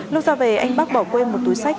lúc ra về anh bắc bỏ quên một túi sách